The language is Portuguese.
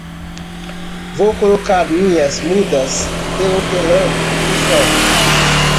Vou colocar minhas mudas de hortelã no sol.